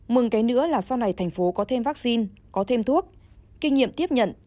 mừng cái nữa là sau này thành phố có thêm vaccine có thêm thuốc kinh nghiệm tiếp nhận